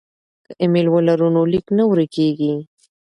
که ایمیل ولرو نو لیک نه ورکيږي.